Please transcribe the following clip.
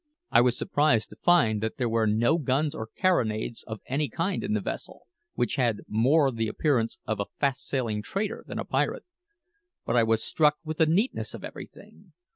I was surprised to find that there were no guns or carronades of any kind in the vessel, which had more the appearance of a fast sailing trader than a pirate. But I was struck with the neatness of everything.